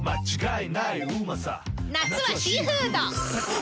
夏はシーフードうふふ！